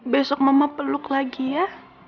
besok mama peluk lagi ya